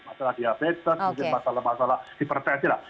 masalah diabetes masalah masalah